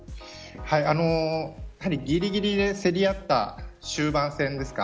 やはりぎりぎりで競り合った終盤戦ですか